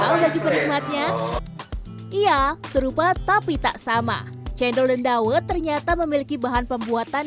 apalagi perikmatnya iya serupa tapi tak sama channel lawet ternyata memiliki bahan pembuatan